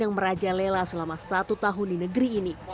yang meraja lela selama satu tahun di negeri ini